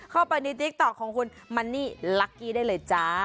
เข้าไปในติ๊กต๊อกของคุณมันนี่ลักกี้ได้เลยจ้า